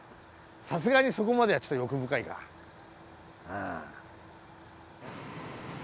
さすがにそこまではちょっと欲深いかうん。